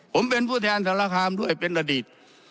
ผมเป็นผู้แทนสารคามด้วยเป็นอดีต